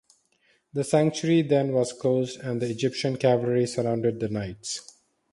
The sanctuary then was closed and the Egyptian cavalry surrounded the knights.